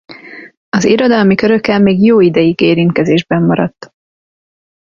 Az irodalmi körökkel még jó ideig érintkezésben maradt.